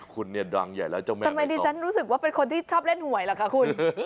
คุณเนี่ยดังใหญ่แล้วเจ้าแม่ทำไมดิฉันรู้สึกว่าเป็นคนที่ชอบเล่นหวยล่ะคะคุณ